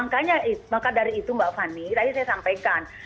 makanya maka dari itu mbak fani tadi saya sampaikan